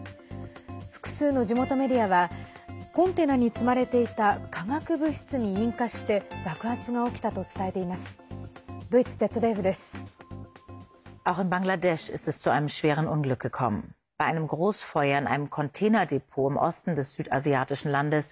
複数の地元メディアはコンテナに積まれていた化学物質に引火して爆発が起きたと伝えています。